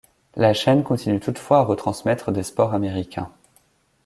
La chaine continue toutefois à retransmettre des sports américains.